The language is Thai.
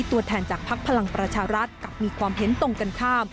ตัวแทนจากภักดิ์พลังประชารัฐกลับมีความเห็นตรงกันข้าม